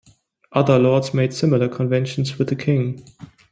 Other lords made similar conventions with the king.